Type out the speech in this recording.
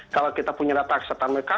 kalau kita punya data kesehatan mereka